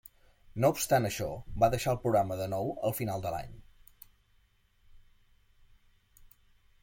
No obstant això, va deixar el programa de nou al final de l'any.